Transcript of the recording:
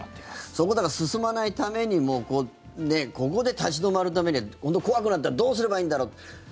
そこを進まないためにもここで立ち止まるためには怖くなったらどうすればいいんだろう。